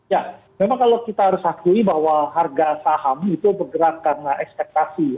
ya memang kalau kita harus akui bahwa harga saham itu bergerak karena ekspektasi